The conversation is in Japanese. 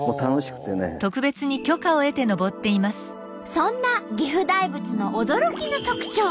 そんな岐阜大仏の驚きの特徴。